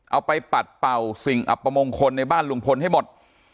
เอาไปปัดเป่าสิ่งอัปมงคลในบ้านลุงพลให้หมด